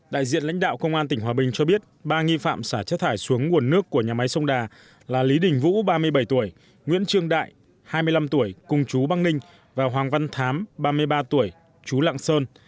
đại diện lãnh đạo công an tỉnh hòa bình cho biết ba nghi phạm xả chất thải xuống nguồn nước của nhà máy sông đà là lý đình vũ ba mươi bảy tuổi nguyễn trương đại hai mươi năm tuổi cùng chú băng ninh và hoàng văn thám ba mươi ba tuổi chú lạng sơn